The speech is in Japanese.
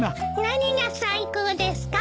何が最高ですか？